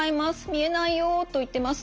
見えないよと言ってますね。